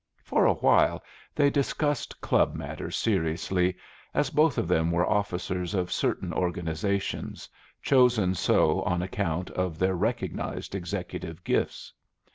For a while they discussed club matters seriously, as both of them were officers of certain organizations, chosen so on account of their recognized executive gifts.